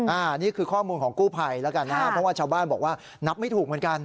อันนี้คือข้อมูลของกู้ภัยแล้วกันนะครับเพราะว่าชาวบ้านบอกว่านับไม่ถูกเหมือนกัน